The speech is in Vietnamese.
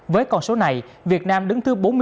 với con số này việt nam đứng thứ bốn mươi năm